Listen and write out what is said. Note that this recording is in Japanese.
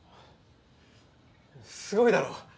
すごいだろ？